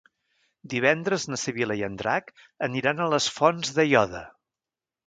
Divendres na Sibil·la i en Drac aniran a les Fonts d'Aiòder.